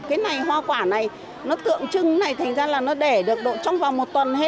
cái này hoa quả này nó tượng trưng này thành ra là nó để được trong vòng một tuần